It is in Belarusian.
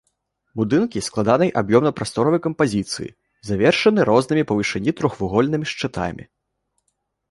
Будынкі складанай аб'ёмна-прасторавай кампазіцыі, завершаны рознымі па вышыні трохвугольнымі шчытамі.